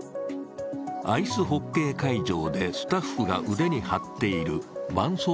アイスホッケー会場でスタッフが腕に貼っているばん